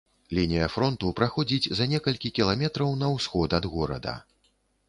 Лінія фронту праходзіць за некалькі кіламетраў на ўсход ад горада.